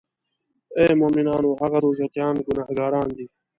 آی مومنانو هغه روژه تیان ګناهګاران دي.